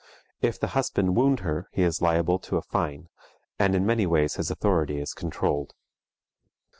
If the husband wound her, he is liable to a fine, and in many ways his authority is controlled.